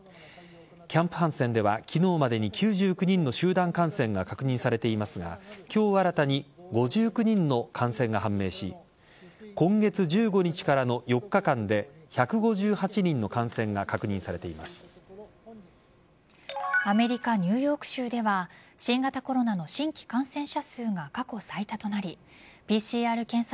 キャンプハンセンでは昨日までに９９人の集団感染が確認されていますが今日新たに５９人の感染が判明し今月１５日からの４日間で１５８人の感染がアメリカ・ニューヨーク州では新型コロナの新規感染者数が過去最多となりＰＣＲ検査